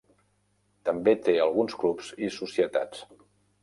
També té alguns clubs i societats.